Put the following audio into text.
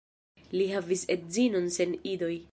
Li havis edzinon sen idoj.